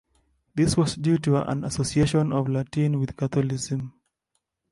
This was due to an association of Latin with Catholicism.